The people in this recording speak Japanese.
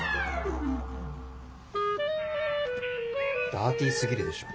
ダーティーすぎるでしょ。